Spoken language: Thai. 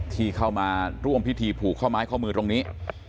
ที่เข้ามาร่วมพิธีผูกข้อไม้ข้อมือตรงนี้